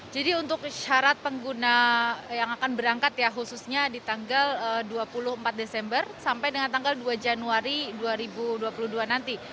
jadi untuk syarat pengguna yang akan berangkat khususnya di tanggal dua puluh empat desember sampai dengan tanggal dua januari dua ribu dua puluh dua nanti